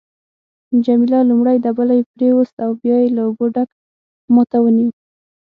جميله لومړی دبلی پریویست او بیا یې له اوبو ډک ما ته ونیو.